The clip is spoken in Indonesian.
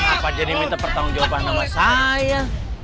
apa jadi minta pertanggung jawab nama saya